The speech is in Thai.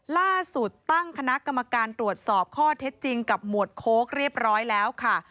ล่าสุดตั้งคณะกรรมการตรวจสอบข้อเท็จจริงกับหมวดโค้กเรียบร้อยแล้วค่ะ